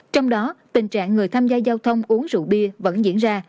trong đó tình trạng người tham gia giao thông uống rượu bia vẫn diễn ra